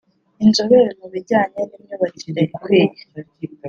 Inzobere mu bijyanye n’imyubakire ikwiye